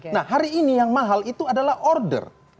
nah hari ini yang mahal itu adalah order